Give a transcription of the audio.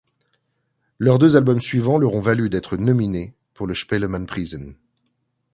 Leurs deux albums suivants leur ont valu d'être nominé pour le Spellemannprisen.